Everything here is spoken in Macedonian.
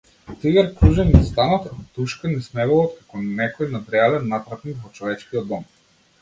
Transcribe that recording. Тигар кружи низ станот, душка низ мебелот како некој надреален натрапник во човечкиот дом.